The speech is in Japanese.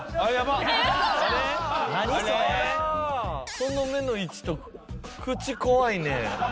その目の位置と口怖いね。